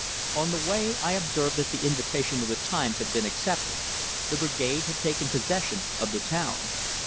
On the way I observed that the invitation of the "Times" had been accepted; the Brigade had taken possession of the town.